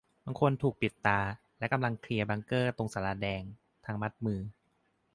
บางคนถูกปิดตา และกำลังเคลียร์บังเกอร์ตรงศาลาแดง ทั้งมัดมือ